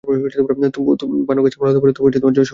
Bhanu case আমরা লড়তে পারি, তবে জয় সহজ হবে না।